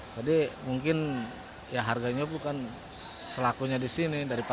jadi mungkin harganya bukan selakunya di sini